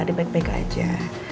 dia baik baik aja